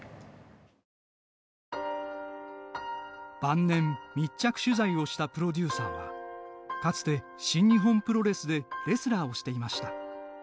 晩年、密着取材をしたプロデューサーはかつて新日本プロレスでレスラーをしていました。